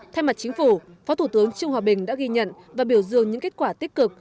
thay mặt chính phủ phó thủ tướng trương hòa bình đã ghi nhận và biểu dương những kết quả tích cực